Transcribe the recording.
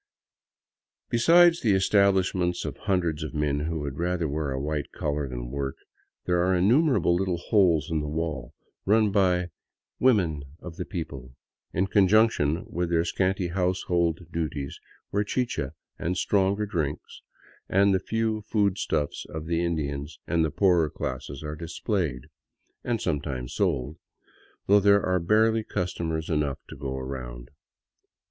Besides the establishments of hundreds of men who would rather wear a white collar than work, there are innumerable little holes in the wall, run by '' women of the people " in conjunction with their scanty household duties, where chicha and stronger drinks, and the few food stuffs of the Indians and the poorer classes are displayed — and sometimes sold, though there are barely customers enough to go round.